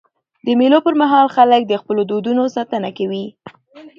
د مېلو پر مهال خلک د خپلو دودونو ساتنه کوي.